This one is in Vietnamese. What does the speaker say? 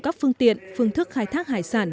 các phương tiện phương thức khai thác hải sản